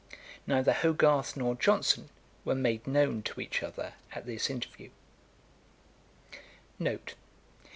Neither Hogarth nor Johnson were made known to each other at this interview.